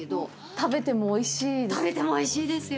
食べてもおいしいですよ！